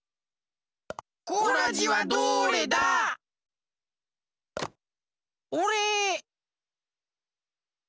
コラジはどれだ？おれ！